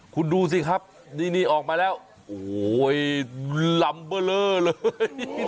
คุณดูสิครับนี่ออกมาแล้วโอ้โหลัมเบอร์เลอร์เลย